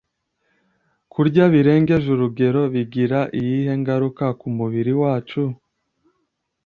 Kurya birengeje urugero bigira iyihe ngaruka ku mubiri wacu?